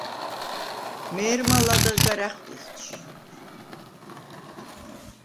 მე̄რმა ლადეღ გარ ა̈ხვტიხდ ჟი.